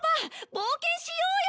冒険しようよ！